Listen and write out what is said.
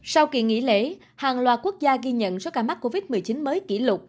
sau kỳ nghỉ lễ hàng loạt quốc gia ghi nhận số ca mắc covid một mươi chín mới kỷ lục